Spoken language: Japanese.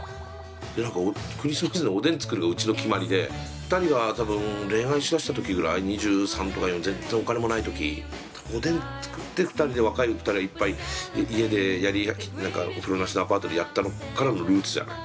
で何かクリスマスにおでん作るのがうちの決まりで２人が多分恋愛しだした時ぐらい２３とか２４全然お金もない時多分おでん作って２人で若い２人が一杯家でやり何かお風呂なしのアパートでやったのからのルーツじゃない？